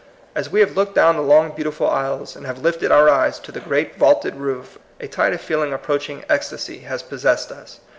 As we have looked down the long beautiful aisles, and have lifted our eyes to the great vaulted roof, a tide of feeling approaching ecstasy has possessed us.